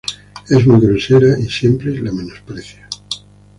Es muy grosera y siempre la menosprecia.